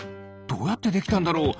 どうやってできたんだろう？